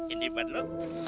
ini buat lo